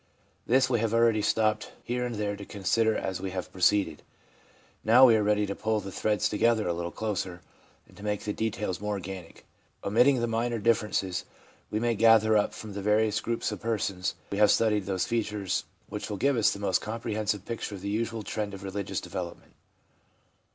This we have already stopped here and there to consider as we have proceeded ; now we are ready to pull the threads together a little closer, and to make the details more organic. Omitting the minor differences, we may gather up from the various groups of persons we have studied those features which will give us the most comprehensive picture of the usual trend of religious development.